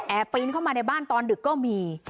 ปีนเข้ามาในบ้านตอนดึกก็มี